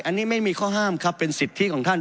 อันนี้ไม่มีข้อห้ามครับเป็นสิทธิของท่าน